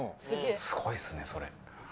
すごいっすねそれ。